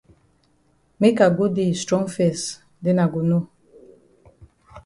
Make I go dey yi strong fes den I go know.